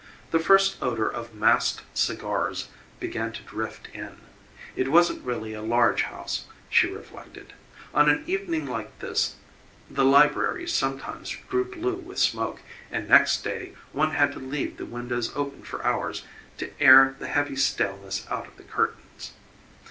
The first odor of massed cigars began to drift in. It wasn't really a large house, she reflected; on an evening like this the library sometimes grew blue with smoke, and next day one had to leave the windows open for hours to air the heavy staleness out of the curtains.